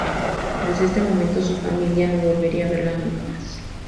Desde este momento su familia no volvería a verle nunca más.